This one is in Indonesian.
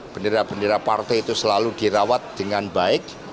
bendera bendera partai itu selalu dirawat dengan baik